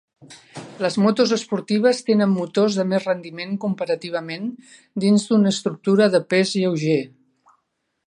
Les motos esportives tenen motors de més rendiment comparativament, dins d'una estructura de pes lleuger.